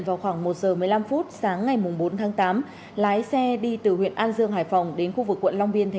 dù không phải máu mủ ruột già bà đã đưa tứ ra hà nội chữa bệnh